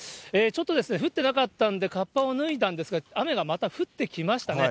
ちょっと降ってなかったんで、かっぱを脱いだんですが、雨がまた降ってきましたね。